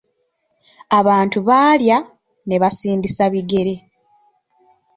Abantu baalya, ne basindisa bigere.